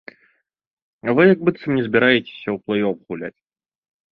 А вы як быццам не збіраецеся ў плэй-оф гуляць.